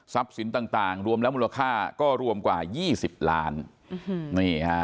ทรัพย์สินต่างรวมแล้วมูลค่าก็รวมกว่า๒๐ล้านนี่ฮะ